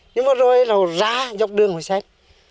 nhưng mà rồi là họ ra dọc đường hồi xem